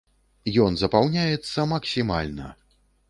І ён запаўняецца максімальна!